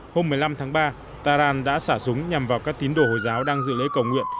hôm một mươi năm tháng ba taran đã xả súng nhằm vào các tín đồ hồi giáo đang dự lễ cầu nguyện